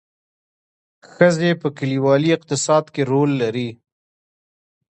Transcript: ښځې په کلیوالي اقتصاد کې رول لري